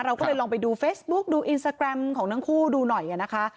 เราก็เลยลองไปดูเฟซบุ๊กดูอินสตาแกรมของทั้งคู่ดูหน่อยนะคะ